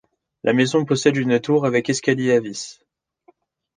La maison possède une tour avec escalier à vis.